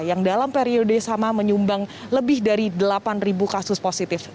yang dalam periode sama menyumbang lebih dari delapan kasus positif